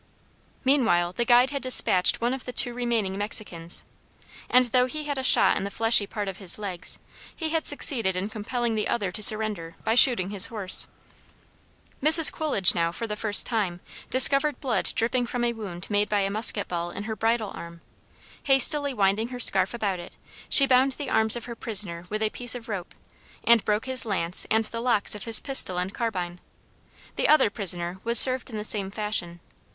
Meanwhile, the guide had dispatched one of the two remaining Mexicans, and, though he had a shot in the fleshy part of his leg, he had succeeded in compelling the other to surrender by shooting his horse. Mrs. Coolidge now, for the first time, discovered blood dripping from a wound made by a musket ball in her bridle arm. Hastily winding her scarf about it, she bound the arms of her prisoner with a piece of rope, and broke his lance and the locks of his pistols and carbine. The other prisoner was served in the same fashion.